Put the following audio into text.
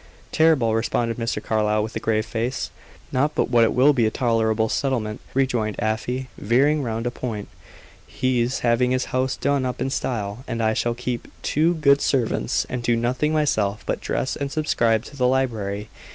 "Terrible!" responded Mr. Carlyle, with a grave face. "Not but what it will be a tolerable settlement," rejoined Afy, veering round a point. "He's having his house done up in style, and I shall keep two good servants, and do nothing myself but dress and subscribe to the library.